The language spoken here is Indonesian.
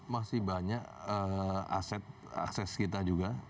masih banyak aset akses kita juga